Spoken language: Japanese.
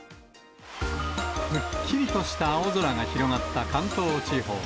すっきりとした青空が広がった関東地方。